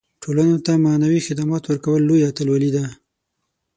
ټولنو ته معنوي خدمات ورکول لویه اتلولي ده.